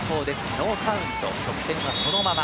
ノーカウント、得点そのまま。